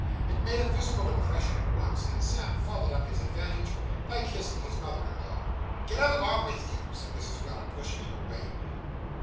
It made a visible impression at once; and Sam followed up his advantage by kissing his mother in law. 'Get along with you!' said Mrs. Weller, pushing him away.